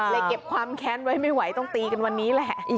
เก็บความแค้นไว้ไม่ไหวต้องตีกันวันนี้แหละ